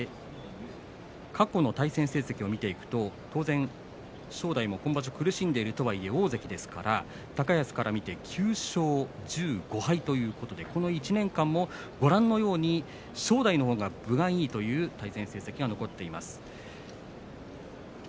過去の対戦成績を見ていくと当然正代も今場所苦しんでいるといえ大関ですから高安から見て９勝５敗ということで１年間も正代のほうが分がいいという対戦成績が残っています。